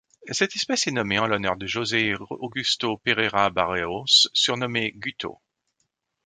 Cette espèce est nommée en l'honneur de José Augusto Pereira Barreiros surnommé Guto.